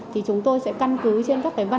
thì chúng tôi sẽ căn cứ trên các văn hóa